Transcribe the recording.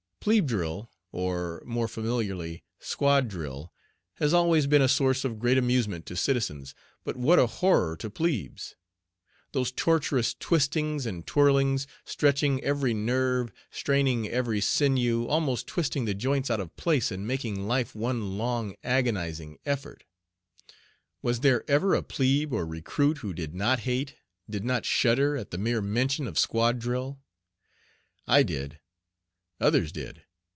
"Plebe drill," or, more familiarly, "squad drill," has always been a source of great amusement to citizens, but what a horror to plebes. Those torturous twistings and twirlings, stretching every nerve, straining every sinew, almost twisting the joints out of place and making life one long agonizing effort. Was there ever a "plebe," or recruit, who did not hate, did not shudder at the mere mention of squad drill? I did. Others did.